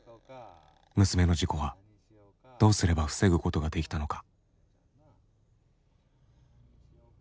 娘の事故はどうすれば防ぐことができたのか。